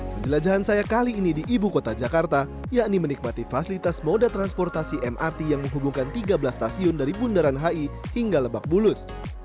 penjelajahan saya kali ini di ibu kota jakarta yakni menikmati fasilitas moda transportasi mrt yang menghubungkan tiga belas stasiun dari bundaran hi hingga lebak bulus